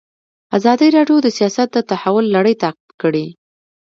ازادي راډیو د سیاست د تحول لړۍ تعقیب کړې.